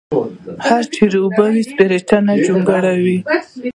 هر چېرې چې اوبه وې سپېرچنه جونګړه وه.